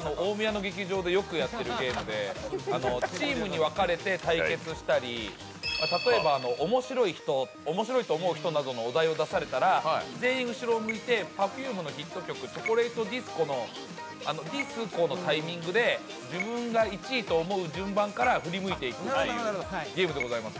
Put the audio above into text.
チームに分かれて対決したり例えば、面白いと思う人などのお題を出されたら全員後ろを向いて Ｐｅｒｆｕｍｅ のヒット曲「チョコレイト・ディスコ」のディスコのタイミングで自分が１位と思う順番から振り向いていくというゲームでございます。